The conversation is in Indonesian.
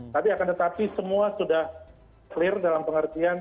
tapi akan tetapi semua sudah clear dalam pengertian